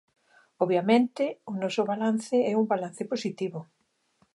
Obviamente, o noso balance é un balance positivo.